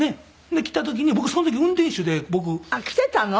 で来た時に僕その時運転手で僕。あっ来てたの？